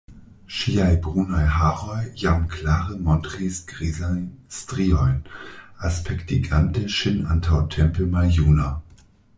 Ŝiaj brunaj haroj jam klare montris grizajn striojn, aspektigante ŝin antaŭtempe maljuna.